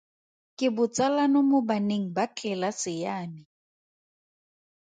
Ke botsalano mo baneng ba tlelase ya me.